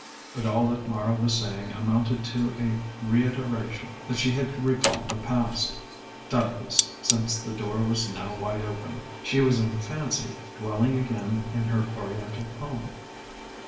But all that Mara was saying amounted to a reiteration that she had recalled the past. Doubtless, since the door was now wide open, she was in fancy dwelling again in her Oriental home.